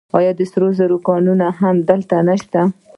آیا د سرو زرو کانونه هم هلته نشته؟